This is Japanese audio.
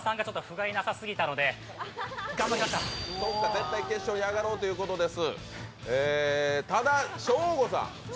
絶対決勝に上がろうということです。